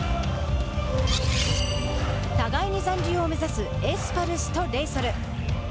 互いに残留を目指すエスパルスとレイソル。